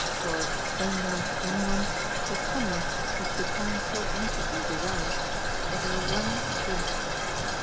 For, unknown to anyone, his coming, which the town so anxiously desired, was her one dread.